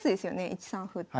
１三歩って。